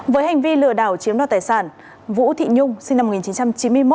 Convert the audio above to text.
với hành vi lừa đảo chiếm đoạt tài sản vũ thị nhung sinh năm một nghìn chín trăm chín mươi một